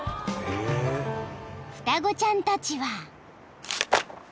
［双子ちゃんたちは］